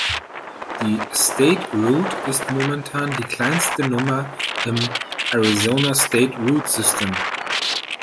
Die State Route hat momentan die kleinste Nummer im Arizona State Route System.